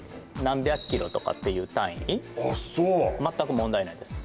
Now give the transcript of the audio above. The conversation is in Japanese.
何百キロとかっていう単位あっそう全く問題ないです